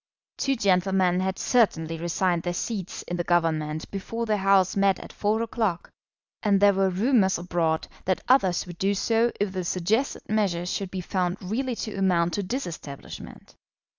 Two gentlemen had certainly resigned their seats in the Government before the House met at four o'clock, and there were rumours abroad that others would do so if the suggested measure should be found really to amount to disestablishment.